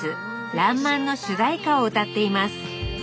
「らんまん」の主題歌を歌っています